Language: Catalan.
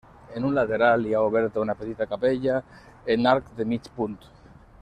En un lateral hi ha oberta una petita capella en arc de mig punt.